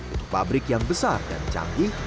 untuk pabrik yang besar dan canggih